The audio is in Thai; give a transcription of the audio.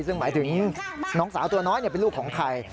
ซึ่งหมายถึงน้องสาวตัวน้อยเป็นลูกของใคร